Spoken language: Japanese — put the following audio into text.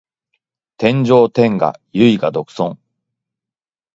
天上天下唯我独尊